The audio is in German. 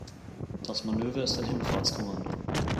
Das Manöver ist ein Himmelfahrtskommando.